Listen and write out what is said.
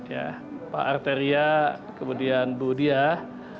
ya pak arteria kemudian bu diah